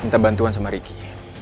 minta bantuan sama ricky